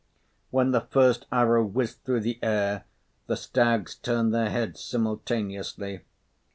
When the first arrow whizzed through the air, the stags turned their heads simultaneously.